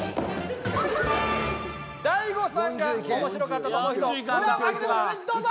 大悟さんが面白かったと思う人札を上げてくださいどうぞ！